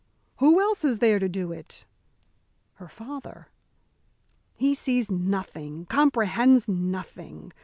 "Who else is there to do it?" "Her father." "He sees nothing, comprehends nothing.